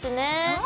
うん。